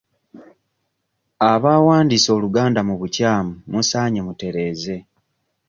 Abaawandiise Oluganda mu bukyamu musaanye mutereeze.